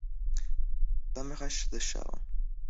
Bum Rush the Show".